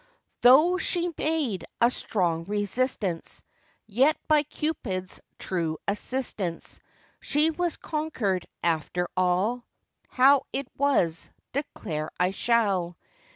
Though she made a strong resistance, Yet by Cupid's true assistance, She was conquered after all; How it was declare I shall.